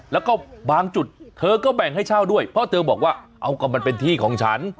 แล้วก็บางจุดเธอก็แบ่งให้เช่าด้วยเพราะเธอบอกว่าเอาก็มันเป็นที่ของฉัน